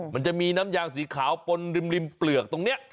มันจะมีน้ำยางสีขาวปนริมเปลือกตรงนี้